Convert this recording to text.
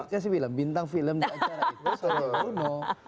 kasih film bintang film di acara itu